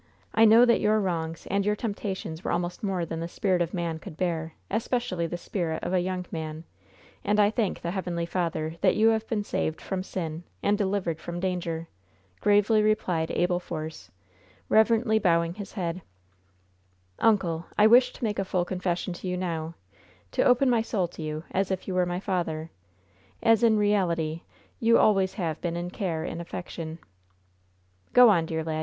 I know that your wrongs and your temptations were almost more than the spirit of man could bear, especially the spirit of a young man; and I thank the Heavenly Father that you have been saved from sin and delivered from danger!" gravely replied Abel Force, reverently bowing his head. "Uncle, I wish to make a full confession to you now to open my soul to you, as if you were my father as, in reality, you always have been in care and affection." "Go on, dear lad.